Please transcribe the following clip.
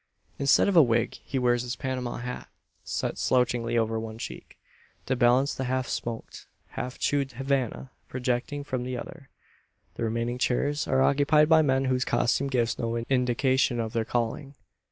Instead of a wig, he wears his Panama hat, set slouchingly over one cheek, to balance the half smoked, half chewed Havannah projecting from the other. The remaining chairs are occupied by men whose costume gives no indication of their calling.